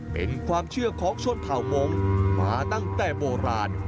เป็นความเชื่อของชนเผ่ามงค์มาตั้งแต่โบราณ